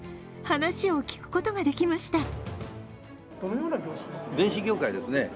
話を聞くことができました。